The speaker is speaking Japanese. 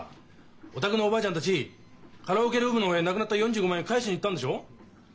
お宅のおばあちゃんたちカラオケルームの方へ無くなった４５万円を返しに行ったんでしょう？